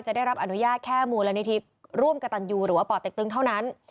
ได้รับอนุญาตแค่มูลนิธิร่วมกระตันยูหรือว่าป่อเต็กตึงเท่านั้น